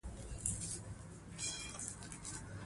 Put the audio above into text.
سیلابونه د افغانستان د انرژۍ سکتور برخه ده.